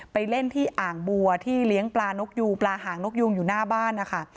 ไปเล่นที่อ่างบัวที่เลี้ยงปลานกยูงปลาห่างนกยูงอยู่หน้าบ้านนะคะ